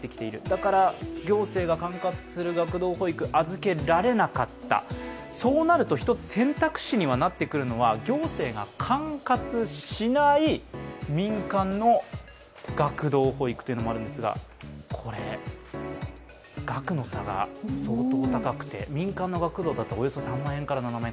だから行政が管轄する学童保育、預けられなかった、そうなると１つ選択肢にはなってくるのは行政が管轄しない民間の学童保育っていうのがあるんですがこれ、額の差が相当高くて。